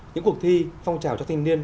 những cuộc thi phong trào cho thanh niên